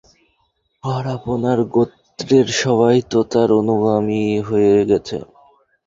আর আপনার গোত্রের সবাই তো তাঁর অনুগামী হয়ে গেছে।